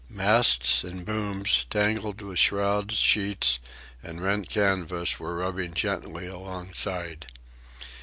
Masts and booms, tangled with shrouds, sheets, and rent canvas, were rubbing gently alongside.